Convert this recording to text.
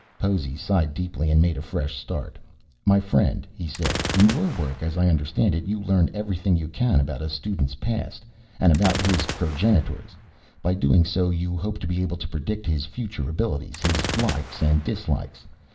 Possy sighed deeply and made a fresh start. "My friend," he said, "in your work, as I understand it, you learn everything you can about a student's past and about his progenitors. By so doing you hope to be able to predict his future abilities, his likes and dislikes.